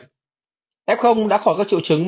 f đã khỏi các triệu chứng mà vẫn không có kết quả dương tính